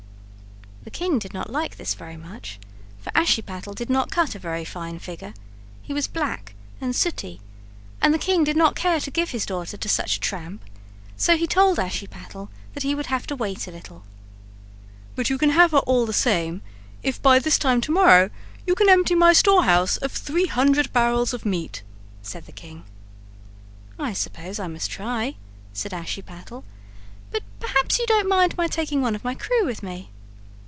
The king did not like this very much, for Ashiepattle did not cut a very fine figure; he was black and sooty, and the king did not care to give his daughter to such a tramp, so he told Ashiepattle that he would have to wait a little. "But you can have her all the same, if by this time to morrow you can empty my storehouse of three hundred barrels of meat," said the king. "I suppose I must try," said Ashiepattle; "but perhaps you don't mind my taking one of my crew with me?"